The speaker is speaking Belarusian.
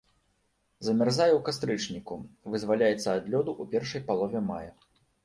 Замярзае ў кастрычніку, вызваляецца ад лёду ў першай палове мая.